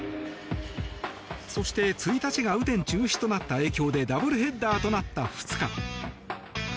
そして、１日が雨天中止となった影響でダブルヘッダーとなった２日。